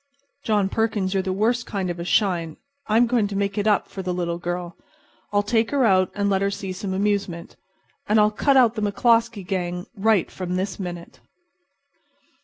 John Perkins, you're the worst kind of a shine. I'm going to make it up for the little girl. I'll take her out and let her see some amusement. And I'll cut out the McCloskey gang right from this minute."